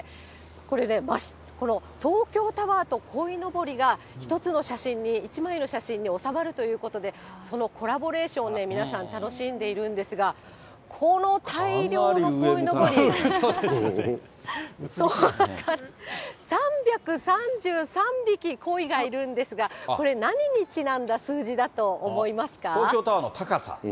これね、この東京タワーとこいのぼりが１つの写真に、１枚の写真に収まるということで、そのコラボレーションをね、皆さん、楽しんでいるんですが、この大量のこいのぼり、３３３匹こいがいるんですが、これ、何にちなんだ数字だと思いますか？